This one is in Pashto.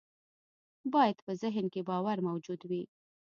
بايد په ذهن کې باور موجود وي.